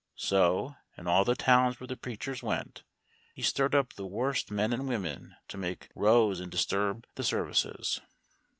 So, in all the towns where the preachers went, he stirred up the worst men and women to make rows and disturb the services.